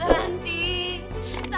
tante ranti kenapa